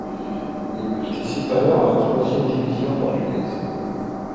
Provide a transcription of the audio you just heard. Il participe alors à la troisième division portugaise.